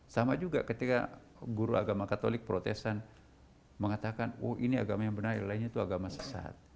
sama juga ketika guru agama katolik protesan mengatakan oh ini agama yang benar yang lainnya itu agama sesat